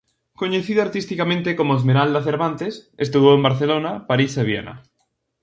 Coñecida artisticamente como Esmeralda Cervantes, estudou en Barcelona, París e Viena.